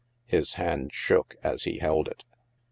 His hand shook as he held it.